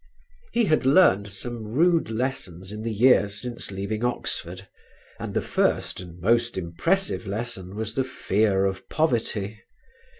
He had learned some rude lessons in the years since leaving Oxford, and the first and most impressive lesson was the fear of poverty.